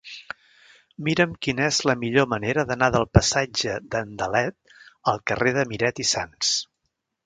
Mira'm quina és la millor manera d'anar del passatge d'Andalet al carrer de Miret i Sans.